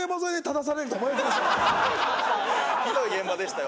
まさかひどい現場でしたよ